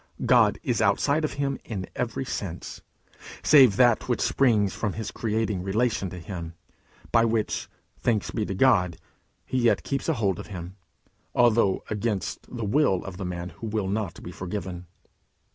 God is outside of him in every sense, save that which springs from his creating relation to him, by which, thanks be to God, he yet keeps a hold of him, although against the will of the man who will not be forgiven.